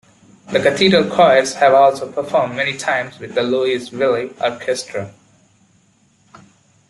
The Cathedral choirs have also performed many times with the Louisville Orchestra.